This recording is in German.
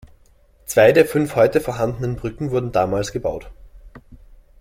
Zwei der fünf heute vorhandenen Brücken wurden damals gebaut.